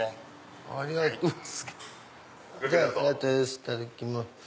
いただきます。